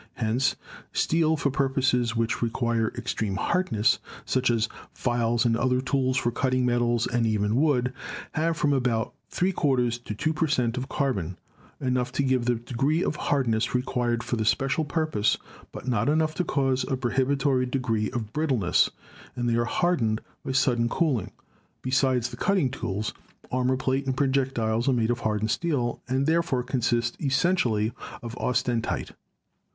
Hence steels for purposes which require extreme hardness, such as files and other tools for cutting metals MINING AND METALLURGY 291 and even wood, have from about 0.75 to 2 per cent, of carbon, enough to give the degree of hardness required for the special purpose, but not enough to cause a prohibi tory degree of brittleness, and they are "hardened" by sud den cooling. Besides the cutting tools, armor plate and projectiles are made of hardened steel and therefore con sist essentially of austenite.